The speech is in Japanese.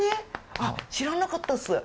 あっ知らなかったっす。